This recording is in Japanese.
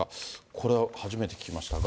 これ、初めて聞きましたが。